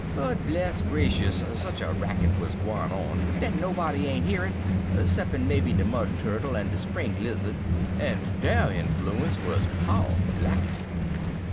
But, bless grashus! sech a racket wuz a gwine on dat nobody ain't hear it, 'ceppin' maybe de Mud Turkle en de Spring Lizzud, en dere enfloons wuz pow'ful lackin'.